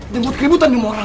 lo buat keributan sama orang